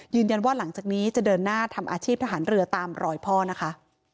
หลังจากนี้จะเดินหน้าทำอาชีพทหารเรือตามรอยพ่อนะคะ